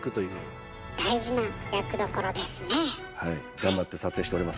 頑張って撮影しております。